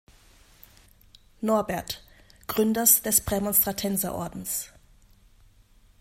Norbert, Gründers des Prämonstratenserordens.